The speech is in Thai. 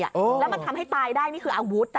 แล้วมันทำให้ตายได้นี่คืออาวุธ